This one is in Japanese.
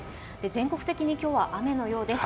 全国的に今日は雨のようです。